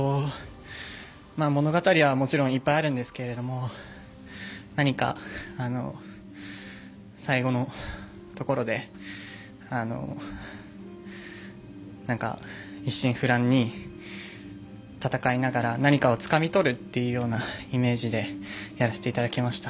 物語はもちろん、いっぱいあるんですが何か最後のところで一心不乱に戦いながら何かをつかみ取るというようなイメージでやらせていただきました。